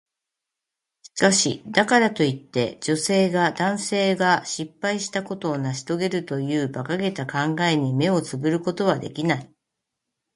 しかし、だからといって、女性が男性が失敗したことを成し遂げるという馬鹿げた考えに目をつぶることはできない。